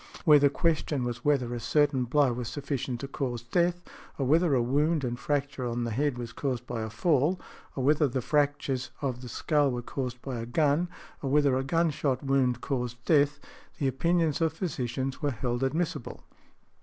Where the question was whether a certain |117| blow was sufficient to cause death; or whether a wound and fracture on the head was caused by a fall; or whether the fractures of the skull were caused by a gun; or whether a gun shot wound caused death; the opinions of physicians were held admissible .